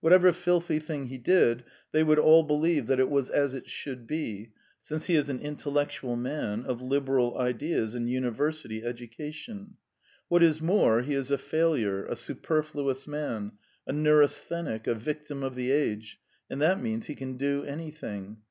Whatever filthy thing he did, they would all believe that it was as it should be, since he is an intellectual man, of liberal ideas and university education. What is more, he is a failure, a superfluous man, a neurasthenic, a victim of the age, and that means he can do anything.